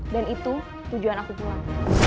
dan itu tujuan aku pulang